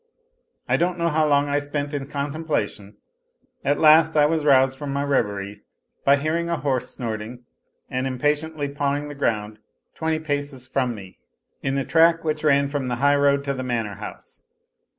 I don't know how long I spent in contemplation. At last I was roused from my reverie by hearing^a horse snorting and impatiently pawing the ground twenty paces from me, in 2 50 A LITTLE HERO the track which ran from the high road to the manor house.